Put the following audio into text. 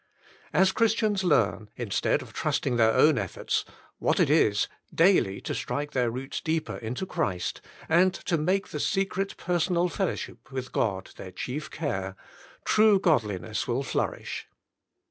As Christians learn, instead of trusting their own efforts, what it is daily to strike their roots deeper into Christ, and to make the secret personal fellowship with God their chief care, true godliness will flourish.